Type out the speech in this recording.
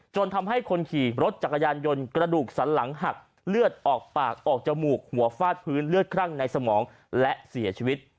จนทำให้คนขี่รถจักรยานยนต์กระดูกสันหลังหักเลือดออกปากออกจมูกหัวฟาดพื้นเลือดคลั่งในสมองและเสียชีวิต